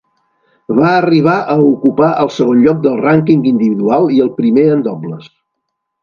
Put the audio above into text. Va arribar a ocupar el segon lloc del rànquing individual i el primer en dobles.